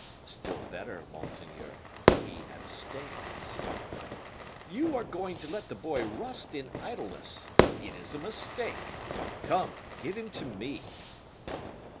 "Still better, monseigneur, he abstains." "You are going to let the boy rust in idleness; it is a mistake. Come, give him to me."